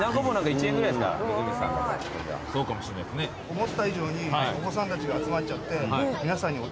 思った以上にお子さんたちが集まっちゃって皆さんに。